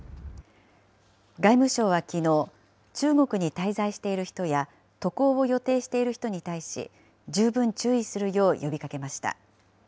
外務省はきのう、中国に滞在している人や渡航を予定している人に対し、十分注意するよう呼びかけました。